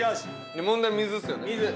問題は水ですよね。